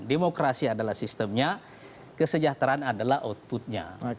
demokrasi adalah sistemnya kesejahteraan adalah outputnya